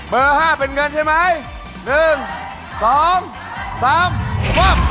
เบอร์๕เป็นเงินใช่ไหม